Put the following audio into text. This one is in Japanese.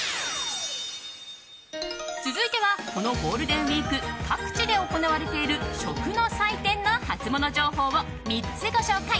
続いてはこのゴールデンウィーク各地で行われている食の祭典のハツモノ情報を３つご紹介。